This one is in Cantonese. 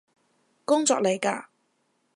工作嚟嘎？